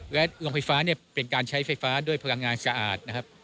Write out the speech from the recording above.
และโรงไฟฟ้าเนี่ยเป็นการใช้ไฟฟ้าด้วยพลังงานสะอาดนะครับ